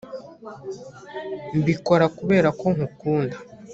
mbikora kubera ko nkunda